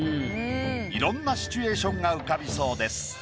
色んなシチュエーションが浮かびそうです。